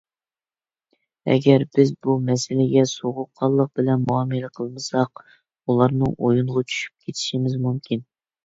ئەگەر بىز بۇ مەسىلىگە سوغۇققانلىق بىلەن مۇئامىلە قىلمىساق، ئۇلارنىڭ ئويۇنىغا چۈشۈپ كېتىشىمىز مۇمكىن.